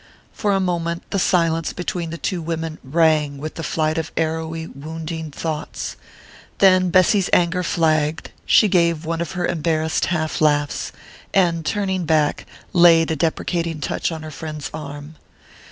For a moment the silence between the two women rang with the flight of arrowy, wounding thoughts; then Bessy's anger flagged, she gave one of her embarrassed half laughs, and turning back, laid a deprecating touch on her friend's arm.